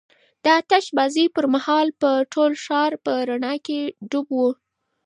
د آتش بازۍ پر مهال به ټول ښار په رڼا کې ډوب و.